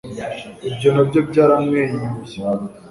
Ibyo na byo byaramwenyuye